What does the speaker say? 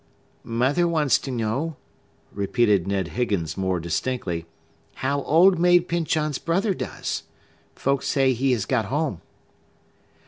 "Mother wants to know" repeated Ned Higgins more distinctly, "how Old Maid Pyncheon's brother does? Folks say he has got home."